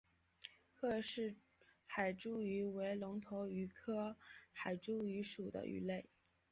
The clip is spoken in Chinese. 赫氏海猪鱼为隆头鱼科海猪鱼属的鱼类。